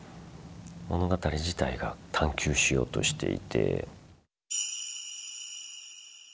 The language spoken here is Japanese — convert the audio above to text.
物語自体が探究しようとしていて。